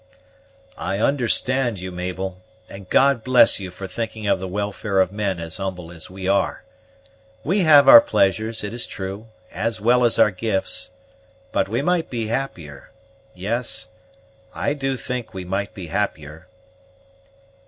"I understand you, Mabel; and God bless you for thinking of the welfare of men as humble as we are. We have our pleasures, it is true, as well as our gifts, but we might be happier; yes, I do think we might be happier."